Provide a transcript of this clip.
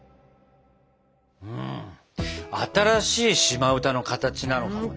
新しい島歌の形なのかもね。